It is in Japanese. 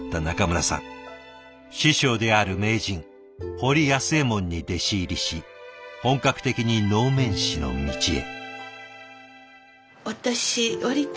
師匠である名人堀安右衛門に弟子入りし本格的に能面師の道へ。